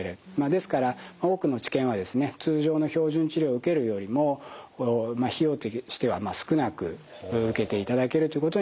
ですから多くの治験はですね通常の標準治療を受けるよりも費用としては少なく受けていただけるということになります。